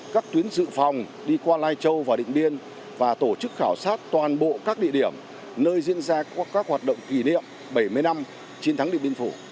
các tuyến dự phòng đi qua lai châu và điện biên và tổ chức khảo sát toàn bộ các địa điểm nơi diễn ra các hoạt động kỷ niệm bảy mươi năm chiến thắng điện biên phủ